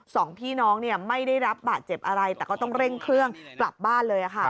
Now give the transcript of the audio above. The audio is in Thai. สองพี่น้องไม่ได้รับบาดเจ็บอะไรแต่ก็ต้องเร่งเครื่องกลับบ้านเลยค่ะ